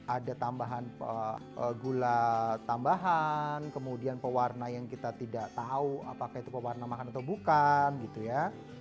ada tambahan gula tambahan kemudian pewarna yang kita tidak tahu apakah itu pewarna makan atau bukan gitu ya